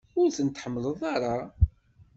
Ur tent-tḥemmleḍ ara?